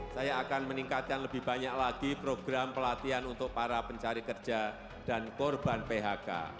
saya akan meningkatkan lebih banyak lagi program pelatihan untuk para pencari kerja dan korban phk